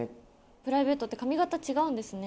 プライベートって髪形違うんですね。